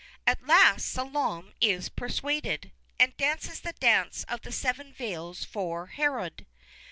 At last Salome is persuaded, and dances the dance of the seven veils for Herod.